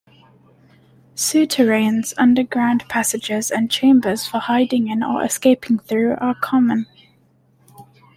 Souterrains, underground passages and chambers for hiding in or escaping through, are common.